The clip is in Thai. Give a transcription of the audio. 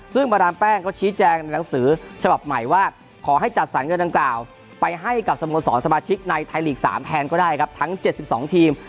ซึ่งมาดามแป้งก็ชี้แจงในหนังสือฉบับใหม่ว่าขอให้จัดสรรเงินดังกล่าวไปให้กับสโมสรสมาชิกในไทยลีก๓แทนก็ได้ครับทั้ง๗๒ทีม